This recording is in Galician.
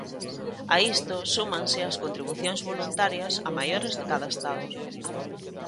A isto súmanse as contribucións voluntarias a maiores de cada Estado.